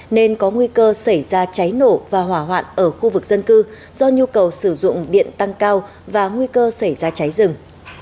nên có nguy cơ xảy ra cháy nổ và hỏa hoạn ở khu vực dân cư do nhu cầu sử dụng điện tăng cao và nguy cơ xảy ra cháy rừng